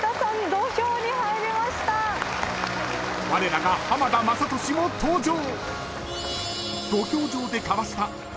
［われらが浜田雅功も登場］